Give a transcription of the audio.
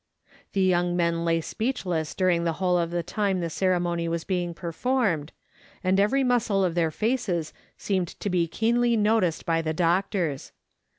The young men lay speechless during the whole of the time the ceremony was being performed, and every muscle of their faces seemed to be keenly noticed by the doctors.